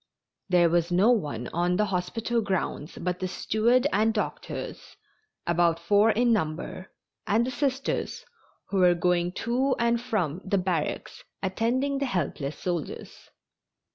There was no one on the hospital grounds but the steward and doctors, about four in number, and the Sisters, who were going to and from the barracks attending the helpless soldiers.